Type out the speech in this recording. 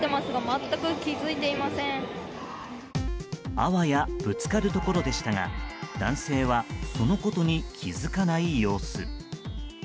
あわやぶつかるところでしたが男性はそのことに気づかない様子。